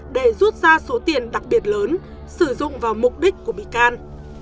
để rút ra số tiền đặc biệt lớn sử dụng vào mục đích của bị can